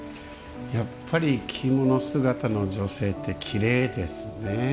やっぱり着物姿の女性ってきれいですね。